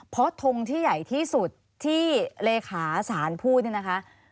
เพราะทงที่ใหญ่ที่สุดที่เลขาสารพูดเนี่ยนะคะ